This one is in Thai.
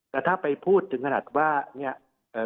แต่ถ้าไปพูดถึงขนาดว่า